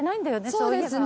そうですね。